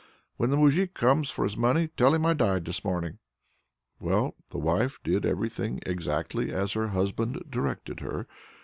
When the moujik comes for his money, tell him I died this morning." Well the wife did everything exactly as her husband directed her.